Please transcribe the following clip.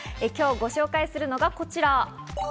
今日ご紹介するのが、こちら。